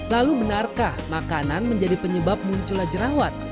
lalu benarkah makanan menjadi penyebab munculnya jerawat